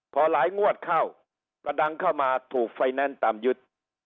พอหลายงวดเข้าประดังเข้ามาถูกไฟแนนซ์ตามยึด